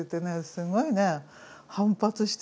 すごいね反発してね